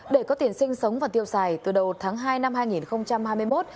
để có tiền sinh sống và tiêu xài từ đầu tháng hai năm hai nghìn hai mươi một